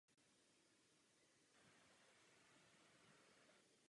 Rovněž jsou nezbytné při přípravě a výběru jejich kandidátů.